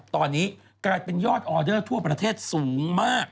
ตอนนี้กลายเป็นยอดออเดอร์ทั่วประเทศสูงมาก